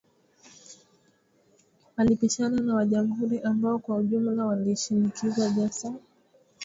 Walipishana na wa Jamhuri ambao kwa ujumla walimshinikiza Jackson.